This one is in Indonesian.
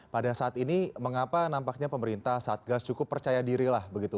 pada saat ini mengapa nampaknya pemerintah satgas cukup percaya diri lah begitu